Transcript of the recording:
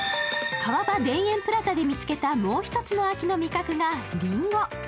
川場田園プラザで見つけたもう１つの秋の味覚がりんご。